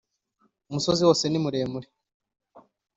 Umusozi wose nimuremure.